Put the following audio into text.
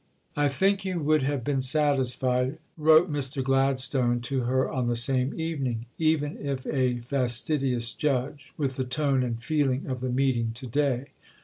"I think you would have been satisfied," wrote Mr. Gladstone to her on the same evening, "even if a fastidious judge, with the tone and feeling of the meeting to day.